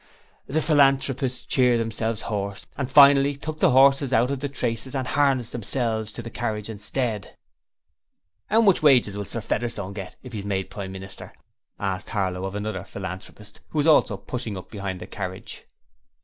The Philanthropists cheered themselves hoarse and finally took the horses out of the traces and harnessed themselves to the carriage instead. ''Ow much wages will Sir Featherstone get if 'e is made Prime Minister?' asked Harlow of another Philanthropist who was also pushing up behind the carriage.